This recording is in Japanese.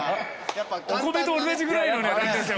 お米と同じぐらいの値段ですよこれ。